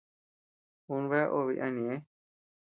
Un bea obe yana ñeʼë.